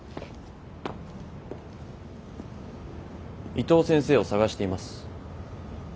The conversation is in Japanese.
伊藤先生を捜しています。